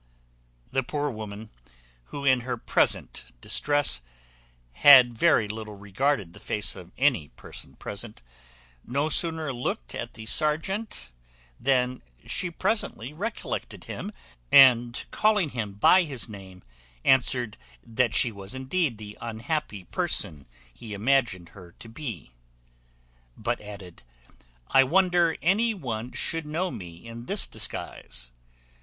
The poor woman, who in her present distress had very little regarded the face of any person present, no sooner looked at the serjeant than she presently recollected him, and calling him by his name, answered, "That she was indeed the unhappy person he imagined her to be;" but added, "I wonder any one should know me in this disguise."